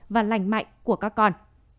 và lành mạnh của các con